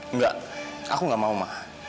enggak aku enggak mau ma